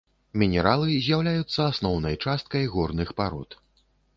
Мінералы з'яўляюцца асноўнай часткай горных парод.